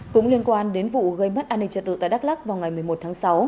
cũng liên quan đến vụ gây mất an ninh trật tự tại đắk lắc vào ngày một mươi một tháng sáu